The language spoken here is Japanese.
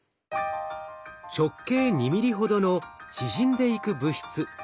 直径２ミリほどの縮んでいく物質。